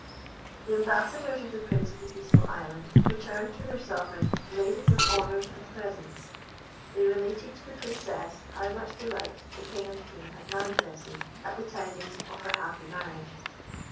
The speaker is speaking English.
The ambassadors of the Prince of the Peaceful Island returned to their sovereign laden with honours and presents. They related to the Princess how much delight the King and Queen had manifested at the tidings of her happy marriage.